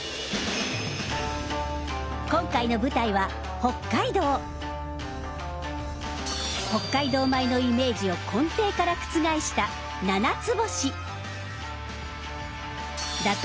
今回の舞台は北海道米のイメージを根底から覆した打倒